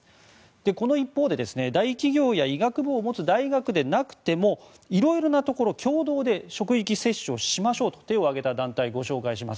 この一方で、大企業や医学部を持つ大学でなくても色々なところ共同で職域接種をしましょうと手を挙げた団体をご紹介します。